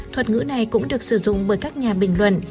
thuật ngữ này cũng được sử dụng bởi các nhà bình luận